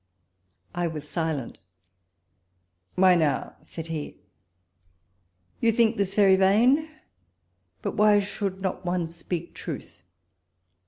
I was silent —'' Why now," said he, ''you think this very vain, but why should not one speak truth?"